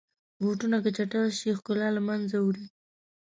بوټونه که چټل شي، ښکلا له منځه وړي.